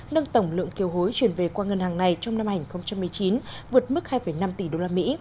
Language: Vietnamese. nâng tổng lượng kiều hối chuyển về qua ngân hàng này trong năm hai nghìn một mươi chín vượt mức hai năm tỷ đô la mỹ